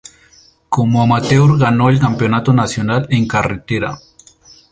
Como amateur ganó el campeonato nacional en carretera.